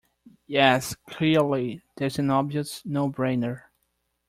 Yes, clearly, that's an obvious no-brainer